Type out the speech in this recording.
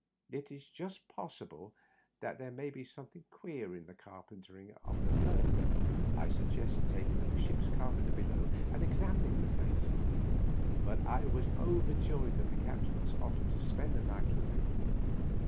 It is just pos sible that there may be something queer in the capenter ing of that berth." I suggested taking the ship's carpenter below and ex amining the place ; but I was overjoyed at the captain's offer to spend the night with me.